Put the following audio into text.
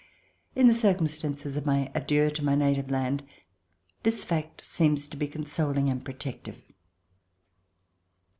In the circumstances of my adieu of my native land this fact seems to be consoling and protective.